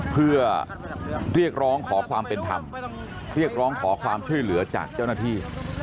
เพื่อเรียกร้องขอความเป็นธรรมเรียกร้องขอความช่วยเหลือจากเจ้าหน้าที่